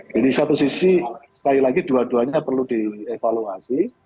jadi satu sisi sekali lagi dua duanya perlu dievaluasi